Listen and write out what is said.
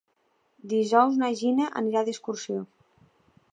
Dijous na Gina anirà d'excursió.